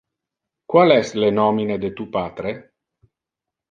Qual es le nomine de tu patre?